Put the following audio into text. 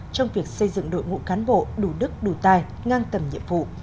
trong việc xây dựng đội ngũ cán bộ đủ đức đủ tài ngang tầm nhiệm vụ